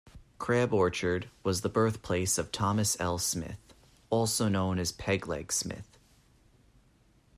Crab Orchard was the birthplace of Thomas L. Smith, also known as "Pegleg" Smith.